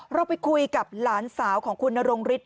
เราไปคุยกับหลานสาวของคุณนรงฤทธ